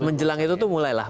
menjelang itu tuh mulailah